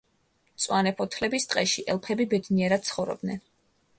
მწვანე ფოთლების ტყეში ელფები ბედნიერად ცხოვრობდნენ.